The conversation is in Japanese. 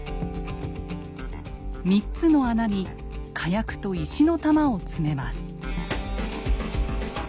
３つの穴に火薬と石の弾を詰めます。